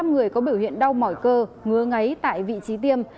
một mươi năm người có biểu hiện đau mỏi cơ ngứa ngáy tại vị trí tiêm